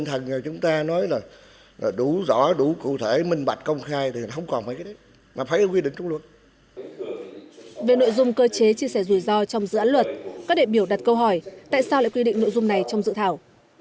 tại sao lại quy định nội dung này trong dự thảo